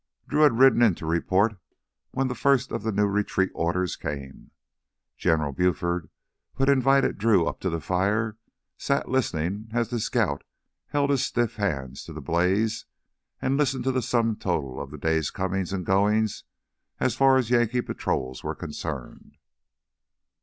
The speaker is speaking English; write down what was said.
Drew had ridden in to report when the first of the new retreat orders came. General Buford, who had invited Drew up to the fire, sat listening as the scout held his stiff hands to the blaze and listed the sum total of the day's comings and goings as far as Yankee patrols were concerned.